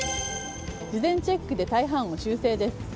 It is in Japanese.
事前チェックで大半を修正です。